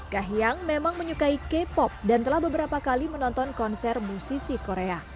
kahiyang memang menyukai k pop dan telah beberapa kali menonton konser musisi korea